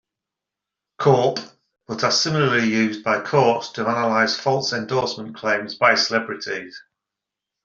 Corp., but are similarly used by courts to analyze false endorsement claims by celebrities.